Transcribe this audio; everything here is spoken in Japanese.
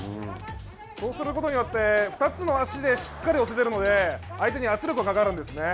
こうすることによって２つの足でしっかり押せているので相手に圧力がかかるんですよね。